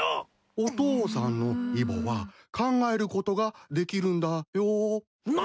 お父さんのイボは考えることができるんだよ。何！？